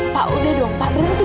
pak udah dong pak berhenti